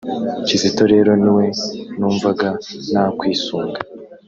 Kizito rero niwe numvaga nakwisunga